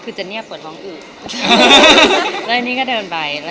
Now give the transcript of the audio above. อเรนนี่ว่าพูดข่าวหรือพูดมาอะไร